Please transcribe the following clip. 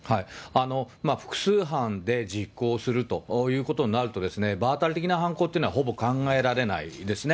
複数犯で実行するということになると、場当たり的な犯行というのは、ほぼ考えられないですね。